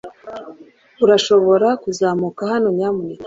Urashobora kuzamuka hano nyamuneka